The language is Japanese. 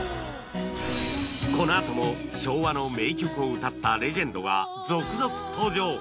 このあとも昭和の名曲を歌ったレジェンドが続々登場！